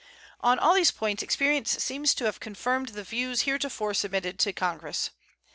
On all these points experience seems to have confirmed the views heretofore submitted to Congress.